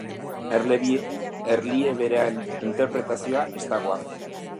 Erliebearen interpretazioa ez dago garbi.